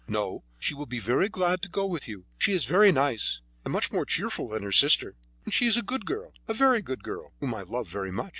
"No; she will be very glad to go with you; she is very nice, and much more cheerful than her sister, and she is a good girl, a very good girl, whom I love very much."